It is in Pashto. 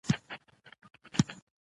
د ریګ دښتې د افغانستان د طبیعت برخه ده.